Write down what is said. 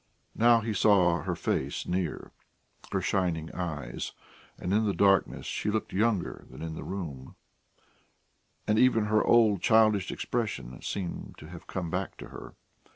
Now he saw her face near, her shining eyes, and in the darkness she looked younger than in the room, and even her old childish expression seemed to have come back to her.